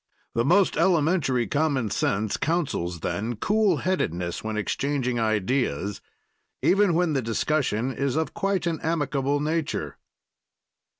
The most elementary common sense counsels then cool headedness when exchanging ideas, even when the discussion is of quite an amicable nature.